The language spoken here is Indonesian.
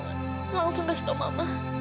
langsung beritahu mama